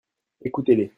Écoutez-les.